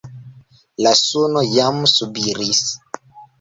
La suno jam subiris.